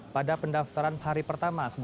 pada pendaftaran hari pertama